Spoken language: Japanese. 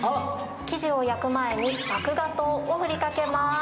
生地を焼く前に麦芽糖を振りかけます。